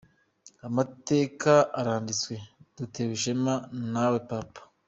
"Amateka aranditswe! Dutewe ishema nawe papa.